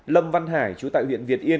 lâm văn hải chú tại huyện việt yên